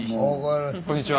こんにちは。